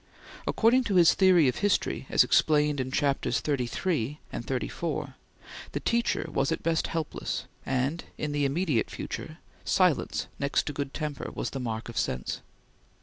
According to his theory of history as explained in Chapters XXXIII and XXXIV, the teacher was at best helpless, and, in the immediate future, silence next to good temper was the mark of sense.